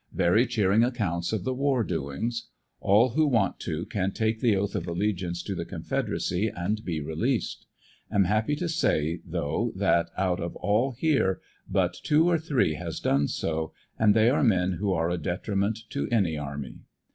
Very cheering accounts of the war doings. All who want to can take the oath of allegiance to the confederacy and be released; am happy to say though that out of all here, but two or three has done so, and they are men who are a detriment to any army.